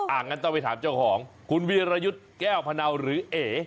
งั้นต้องไปถามเจ้าของคุณวีรยุทธ์แก้วพนาวหรือเอ๋